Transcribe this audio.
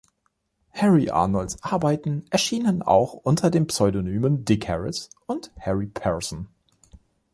Harry Arnolds Arbeiten erschienen auch unter den Pseudonymen „Dick Harris“ und „Harry Persson“.